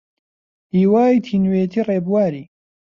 هیوای تینوێتی ڕێبواری